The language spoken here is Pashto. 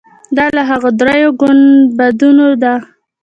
دا له هغو درېیو ګنبدونو ده.